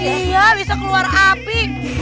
iya bisa keluar api